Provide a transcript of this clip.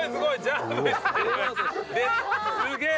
すげえ！